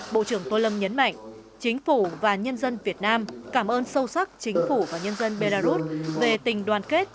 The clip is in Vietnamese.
bộ trưởng tô lâm nhấn mạnh chính phủ và nhân dân việt nam cảm ơn sâu sắc chính phủ và nhân dân belarus về tình đoàn kết